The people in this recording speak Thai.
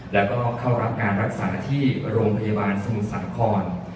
แล้วก็เข้ารับการรักษาที่โรงพยาบาลสมุทรสาคร